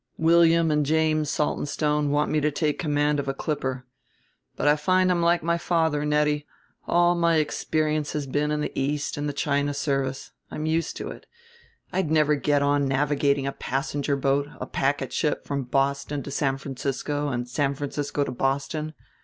William and James Saltonstone want me to take command of a clipper. But I find I'm like my father, Nettie; all my experience has been in the East and the China service. I'm used to it. I'd never get on navigating a passenger boat, a packet ship, from Boston to San Francisco and San Francisco to Boston.